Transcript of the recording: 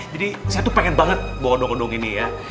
jadi saya tuh pengen banget bawa odong odong ini ya